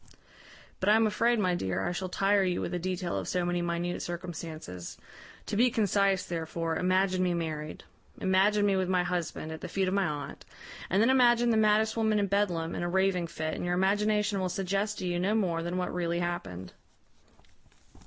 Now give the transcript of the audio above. "But I am afraid, my dear, I shall tire you with a detail of so many minute circumstances. To be concise, therefore, imagine me married; imagine me with my husband, at the feet of my aunt; and then imagine the maddest woman in Bedlam, in a raving fit, and your imagination will suggest to you no more than what really happened.